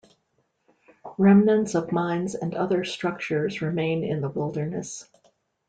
Remnants of mines and other structures remain in the wilderness.